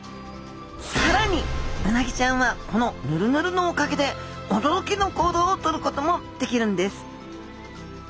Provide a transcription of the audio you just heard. さらにうなぎちゃんはこのヌルヌルのおかげで驚きの行動をとることもできるんです！